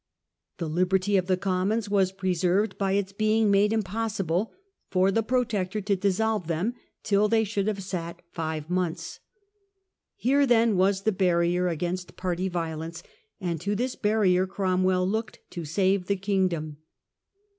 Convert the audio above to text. The hberty of the Commons was preserved by its being made impossible for the Protector to dissolve them till they should have sat five months. Here then was the barrier against party violence, and to this barrier Cromwell looked to save the kingdom.